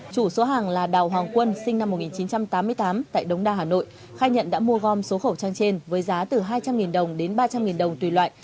chủ số hàng là đào hoàng quân sinh năm một nghìn chín trăm tám mươi tám tại đống đa hà nội khai nhận đã mua gom số khẩu trang trên với giá từ hai trăm linh đồng đến ba trăm linh đồng tùy loại